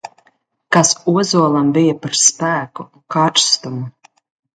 Kas ozolam bija par spēku un karstumu!